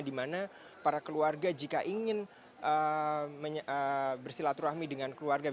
dimana para keluarga jika ingin bersilaturahmi dengan keluarga